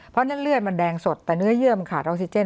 เพราะฉะนั้นเลือดมันแดงสดแต่เนื้อเยื่อมันขาดออกซิเจน